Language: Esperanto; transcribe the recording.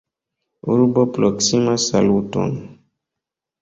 Urbo proksimas Saluton!